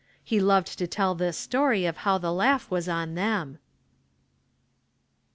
He loved to tell this story of how the laugh was on them. Mrs.